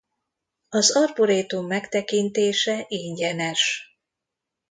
Az arborétum megtekintése ingyenes.